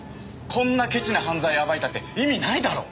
こんなケチな犯罪暴いたって意味ないだろ。